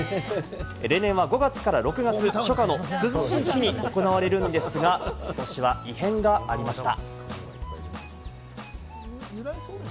例年は５月から６月、初夏の涼しい日に行われるんですが、ことしは異変がありました。